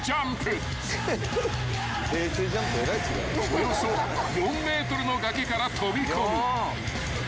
［およそ４ｍの崖から飛び込む］